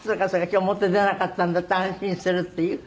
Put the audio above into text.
今日持って出なかったんだって安心するっていう？